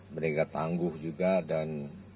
mereka tangguh juga dan